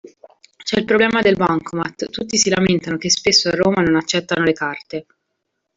C'è il problema del bancomat: tutti si lamentano che spesso a Roma non accettano le carte.